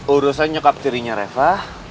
urusan nyokap tirinya reva